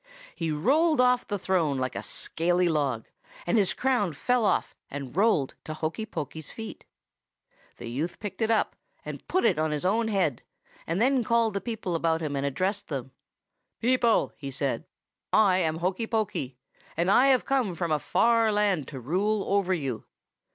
He rolled off the throne like a scaly log, and his crown fell off and rolled to Hokey Pokey's feet. The youth picked it up and put it on his own head, and then called the people about him and addressed them. "'People,' he said, 'I am Hokey Pokey, and I have come from a far land to rule over you.